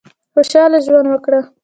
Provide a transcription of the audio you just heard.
خوشاله ژوند وکړه.